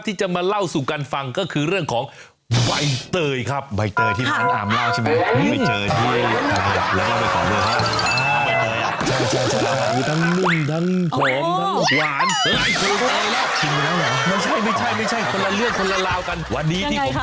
ที่จะมาเล่าสู่กันฟังก็คือเรื่องของบ่ายเตยครับ